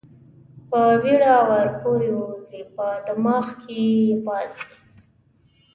په بېړه ور پورې ووځي، په دماغ کې یې یوازې.